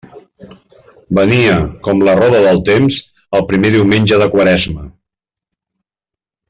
Venia, com la roda del temps, el primer diumenge de Quaresma.